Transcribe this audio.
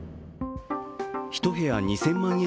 １部屋２０００万円